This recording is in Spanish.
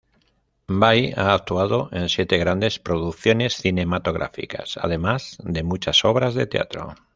Bai ha actuado en siete grandes producciones cinematográficas además de muchas obras de teatro.